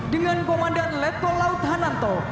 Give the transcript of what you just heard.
dengan komandan letkol laut hananto